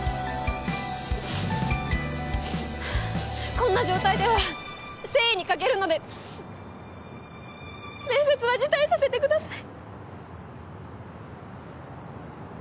こんな状態では誠意に欠けるので面接は辞退させてください。